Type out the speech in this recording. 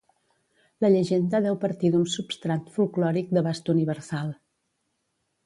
La llegenda deu partir d'un substrat folklòric d'abast universal.